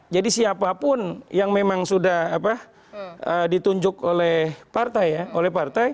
jadi siapapun yang memang sudah ditunjuk oleh partai ya